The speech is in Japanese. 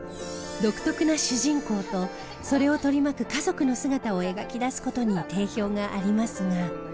独特な主人公とそれを取り巻く家族の姿を描き出す事に定評がありますが。